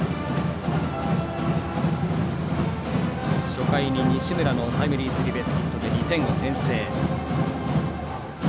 初回に西村のタイムリースリーベースヒットで２点を先制。